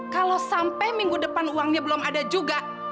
kalau sampai minggu depan uangnya belum ada juga